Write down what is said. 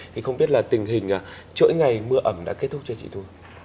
thì không biết là tình hình trỗi ngày mưa ẩm đã kết thúc chưa chị thu